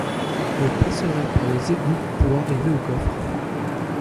On passerait par les égoûts pour arriver au coffre.